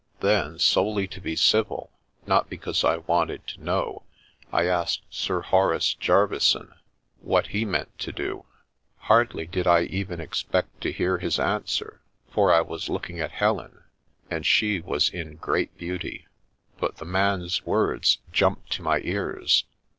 Then, solely to be civil, not because I wanted to know, I asked Sir Horace Jerveyson what he meant to do. Hardly did I even expect to hear his an swer, for I was looking at Helen, and she was in great beauty. But the man's words jumped to my ears.